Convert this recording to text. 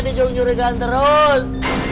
ini jauh jauh terus